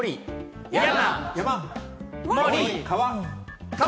山！